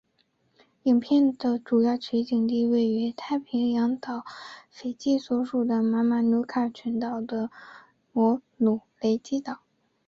影片的主要取景地位于太平洋岛国斐济所属的马马努卡群岛的摩努雷基岛。